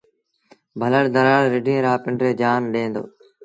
ڀلڙ ڌرآڙ رڍينٚ لآ پنڊريٚ جآن ڏي دو۔